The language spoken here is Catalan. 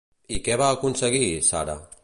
I què va aconseguir, Sara?